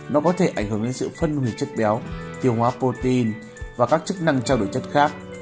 nó có thể ảnh hưởng đến sự phân hủy chất béo tiêu hóa protein và các chức năng trao đổi chất khác